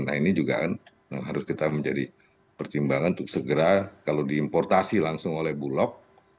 nah ini juga kan harus kita menjadi pertimbangan untuk segera kalau diimportasi langsung oleh bulog